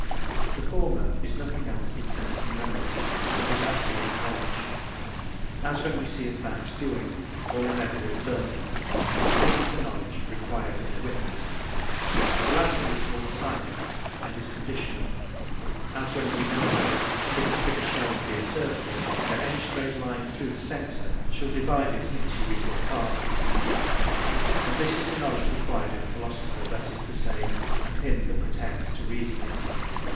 The former is nothing else, but Sense and Memory, and is Absolute Knowledge; as when we see a Fact doing, or remember it done: And this is the Knowledge required in a Witnesse. The later is called Science; and is Conditionall; as when we know, that, If The Figure Showne Be A Circle, Then Any Straight Line Through The Centre Shall Divide It Into Two Equall Parts. And this is the Knowledge required in a Philosopher; that is to say, of him that pretends to Reasoning.